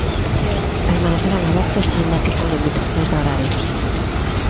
Permaneceron abertos, aínda que con limitacións de horarios.